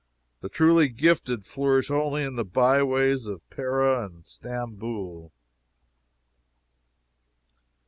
The truly gifted flourish only in the by ways of Pera and Stamboul.